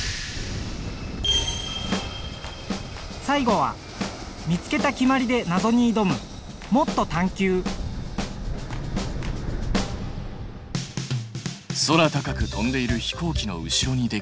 最後は見つけた決まりでなぞにいどむ空高く飛んでいる飛行機の後ろにできる白い帯。